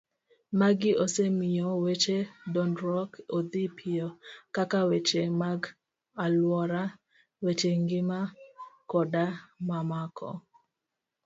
Magi osemiyo weche dongruok odhi piyo, kaka weche mag aluora, weche ngima koda mamoko.